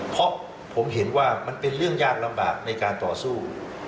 เพราะผมเห็นว่ามันเป็นเรื่องยากลำบากในการต่อสู้